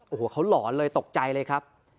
โอ้โหเขาหลอนเลยตกใจเลยครับ